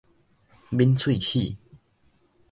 抿喙齒